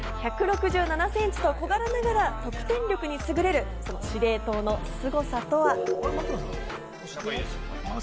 １６７センチと小柄ながら得点力に優れる、その司令塔のすごさとは？